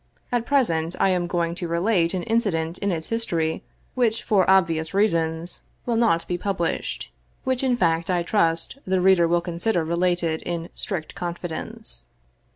At present I am going to relate an incident in its history which, for obvious rea sons, will not be published — which, in fact, I trust the reader will consider related in strict confidence.